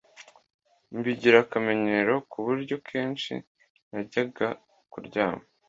mbigira akamenyero ku buryo kenshi najyaga kuryama